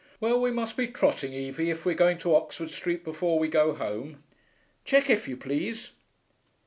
'Well, we must be trotting, Evie, if we're going to Oxford Street before we go home.... Check, if you please....